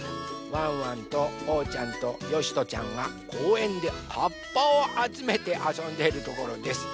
ワンワンとおうちゃんとよしとちゃんがこうえんではっぱをあつめてあそんでいるところです。